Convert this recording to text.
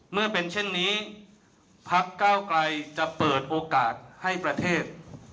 เมื่อเป็นเช่นนี้พักเก้าไกลจะเปิดโอกาสให้ประเทศ